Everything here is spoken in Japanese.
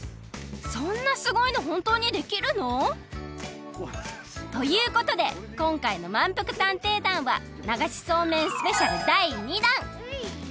そんなすごいのほんとうにできるの？ということでこんかいのまんぷく探偵団は流しそうめんスペシャルだい２だん！